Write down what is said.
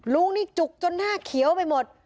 ลุงนี่จุกจนหน้าเขียวไปหมด